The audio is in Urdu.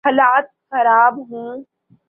حالات خراب ہوں۔